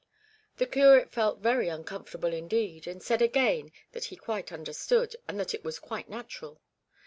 The curate felt very uncomfortable indeed, and said again that he quite understood, and that it was quite natural.